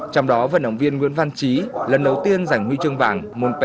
trong đó vận động viên nguyễn văn trí lần đầu tiên giành huy chương vàng